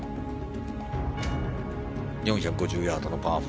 ４５０ヤードのパー４。